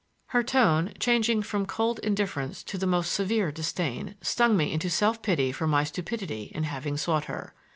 Her tone, changing from cold indifference to the most severe disdain, stung me into self pity for my stupidity in having sought her.